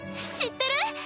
知ってる？